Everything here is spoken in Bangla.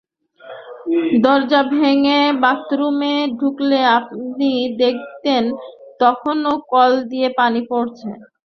দরজা ভেঙে বাথরুমে ঢুকলে আপনি দেখতেন তখনো কল দিয়ে পানি পড়ছে।